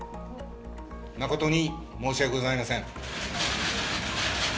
誠に申し訳ございません。